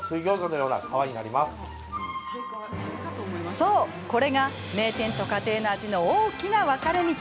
そう、これが名店と家庭の味の大きな分かれ道。